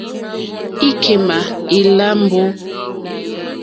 Íkémà ílâ mbǒ.